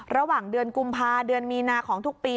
ระหว่างเดือนกุมภาเดือนมีนาของทุกปี